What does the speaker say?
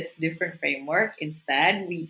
semua framework yang berbeda